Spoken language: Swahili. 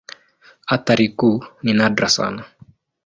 Athari kuu ni nadra sana.